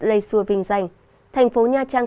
lây xua vinh danh thành phố nha trang